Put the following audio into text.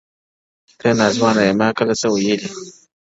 o ه تـــه نـــاځــوانـــه يــې مــا كــلــــه څـــه ويــلـــــي،